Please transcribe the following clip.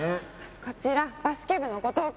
こちら、バスケ部の後藤君。